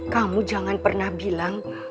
kamu jangan pernah bilang